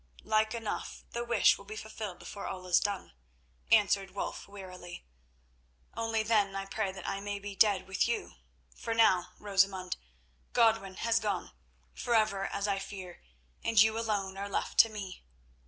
"Like enough the wish will be fulfilled before all is done," answered Wulf wearily, "only then I pray that I may be dead with you, for now, Rosamund, Godwin has gone, forever as I fear, and you alone are left to me.